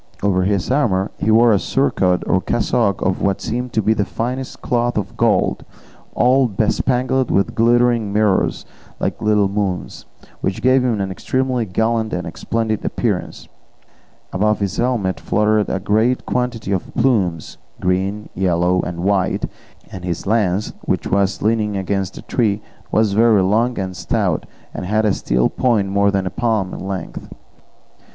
Over his armour he wore a surcoat or cassock of what seemed to be the finest cloth of gold, all bespangled with glittering mirrors like little moons, which gave him an extremely gallant and splendid appearance; above his helmet fluttered a great quantity of plumes, green, yellow, and white, and his lance, which was leaning against a tree, was very long and stout, and had a steel point more than a palm in length.